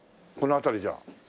この辺りじゃ。